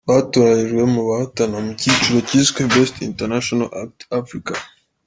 batoranyijwe mu bahatana mu cyiciro cyiswe Best International Act: Africa ari.